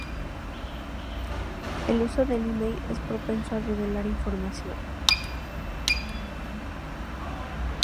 El uso del email es propenso a revelar información.